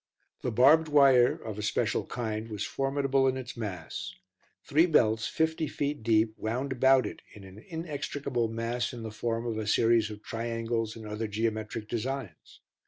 The barbed wire, of a special kind, was formidable in its mass; three belts fifty feet deep wound about it in an inextricable mass in the form of a series of triangles and other geometric designs.